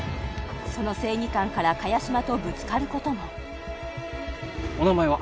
その正義感から萱島とぶつかることもお名前は？